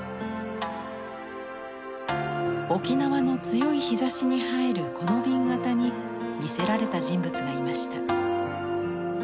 沖縄の強い日ざしに映えるこの紅型に魅せられた人物がいました。